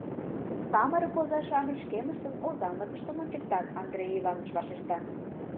— Самырык оза-шамыч шкеныштын озанлыкыштым ончыктат, — Андрей Иваныч вашешта.